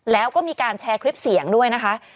แล้วก็มีการแชร์คลิปเสียงด้วยนะคะ